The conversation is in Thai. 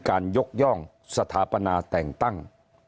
ยกย่องสถาปนาแต่งตั้ง